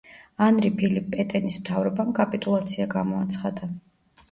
ანრი ფილიპ პეტენის მთავრობამ კაპიტულაცია გამოაცხადა.